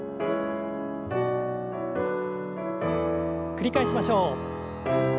繰り返しましょう。